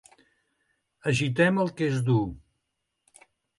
Agitem el que és dur.